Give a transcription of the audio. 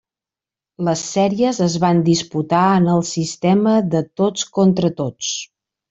Les sèries es van disputar en el sistema de tots contra tots.